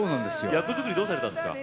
役作りどうされたんですか？